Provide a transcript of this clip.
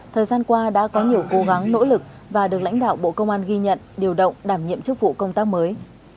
thời gian qua đã có nhiều cố gắng nỗ lực và được lãnh đạo bộ công an ghi nhận điều động đảm nhiệm chức vụ công tác mới